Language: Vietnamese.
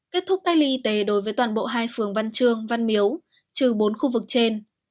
kết thúc cách ly y tế đối với toàn bộ hai phường văn trương văn miếu trừ bốn khu vực trên